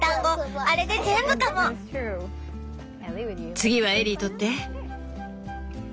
次はエリー取って。